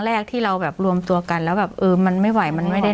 แรกที่เราแบบรวมตัวกันแล้วแบบเออมันไม่ไหวมันไม่ได้